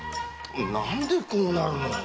何でこうなるの？